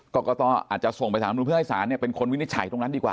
กรกตอาจจะส่งไปสารธรรมนุนเพื่อให้ศาลเป็นคนวินิจฉัยตรงนั้นดีกว่า